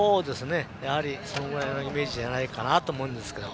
やはり、そのぐらいのイメージじゃないかなと思います。